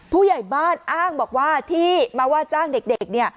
ผู้ใหญ่บ้านอ้างบอกว่าที่มาว่าจ้างเด็ก